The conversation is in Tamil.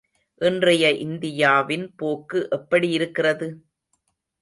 இன்றைய இந்தியாவின் போக்கு எப்படி இருக்கிறது?